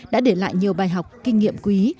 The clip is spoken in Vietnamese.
đã để lại nhiều bài học kinh nghiệm quý